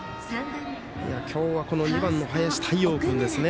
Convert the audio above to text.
今日はこの２番の林大遥君ですね。